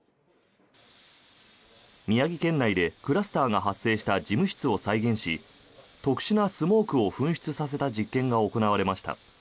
宮城県内でクラスターが発生した事務室を再現し特殊なスモークを噴出させた実験が行われました。